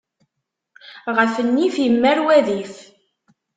Ɣef nnif, immar wadif.